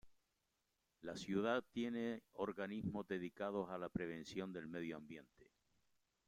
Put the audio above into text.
La ciudad tiene organismos dedicados a la preservación del medio ambiente.